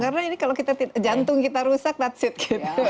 karena ini kalau jantung kita rusak that's it gitu